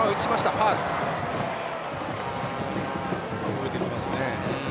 動いてきますね。